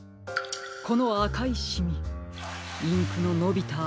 このあかいシミインクののびたあと。